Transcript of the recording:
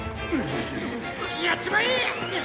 やっちまえ！